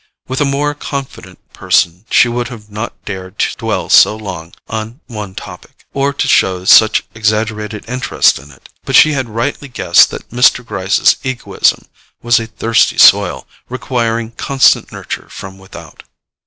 With a more confident person she would not have dared to dwell so long on one topic, or to show such exaggerated interest in it; but she had rightly guessed that Mr. Gryce's egoism was a thirsty soil, requiring constant nurture from without.